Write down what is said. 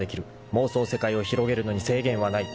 ［妄想世界を広げるのに制限はない］